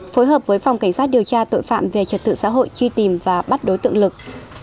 phối hợp với phòng cảnh sát điều tra tội phạm về trật tự xã hội truy tìm và bắt đối tượng lực